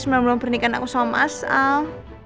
semalam belum pernikahan aku sama mas al